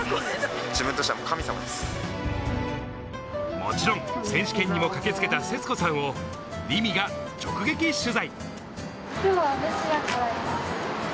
もちろん、選手権にも駆けつけた節子さんを凛美が直撃取材。